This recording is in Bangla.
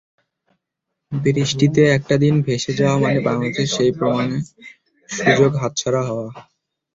বৃষ্টিতে একটা দিন ভেসে যাওয়া মানে বাংলাদেশের সেই প্রমাণের সুযোগ হাতছাড়া হওয়া।